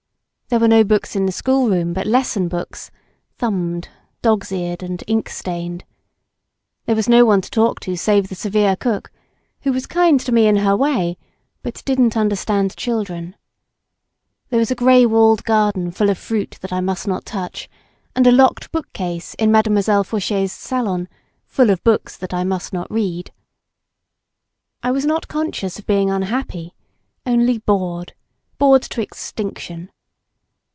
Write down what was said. There were no books in the schoolroom but lesson books, thumbed, dog's eared and ink stained. There was no one to talk to save the severe cook, who was kind to me in her way but didn't understand children. There was a grey walled garden full of fruit that I must not touch and a locked book case in Mademoiselle Fauchet's salon, full of books that I must not read. I was not conscious of being unhappy, only bored, bored to extinction.